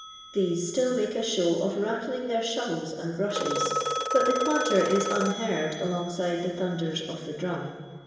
These still make a show of rattling their shovels and bmshes, but the clatter is un heard alongside the thunders of the drum.